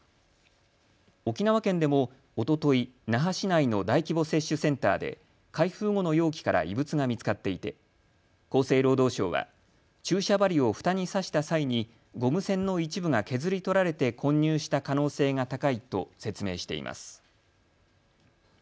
沖縄県でもおととい、那覇市内の大規模接種センターで開封後の容器から異物が見つかっていて厚生労働省は注射針をふたに刺した際にゴム栓の一部が削り取られて混入した可能性が高いと説明しています。